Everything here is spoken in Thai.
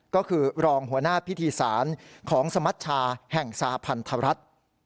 ก็คือรองหัวหน้าพิธีศาลของสมัชชาแห่งสาพันธรัฐ